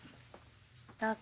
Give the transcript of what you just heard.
どうぞ。